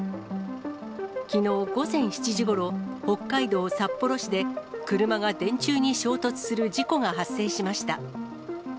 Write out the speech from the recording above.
きのう午前７時ごろ、北海道札幌市で、車が電柱に衝突する事故が発生しました。